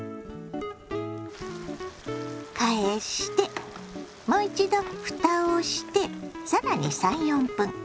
返してもう一度ふたをして更に３４分。